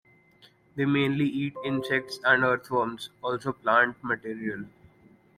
They mainly eat insects and earthworms, also plant material.